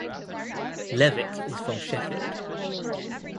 Levick is from Sheffield.